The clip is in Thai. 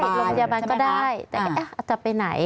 โรงพยาบาลก็ได้แต่อาจจะไปไหน